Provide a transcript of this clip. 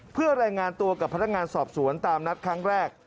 เพื่อรายงานตัวกับพนักงานสอบสวนตามนัดครั้งแรก